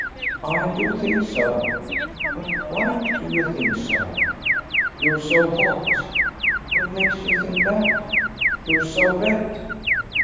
"I do think so." "But why do you think so?" "You're so hot." "What makes you think that?" "You're so red."